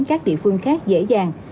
các địa phương khác dễ dàng